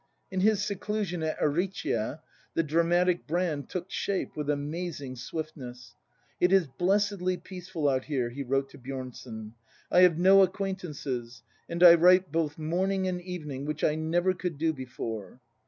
In his seclusion at Ariccia the dramatic Brand took shape with amazing swiftness. "It is bless edly peaceful out here," he wrote to Bjornson; "I have no acquaintances; and I write both morning and evening, which I never could do before."